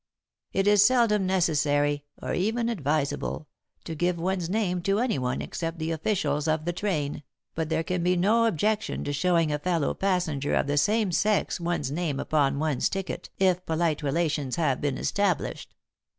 "'It is seldom necessary, or even advisable, to give one's name to anyone except the officials of the train, but there can be no objection to showing a fellow passenger of the same sex one's name upon one's ticket if polite relations have been established.